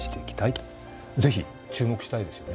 是非注目したいですよね。